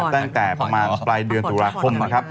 ตั้งแต่ปลายเดือนศุราคม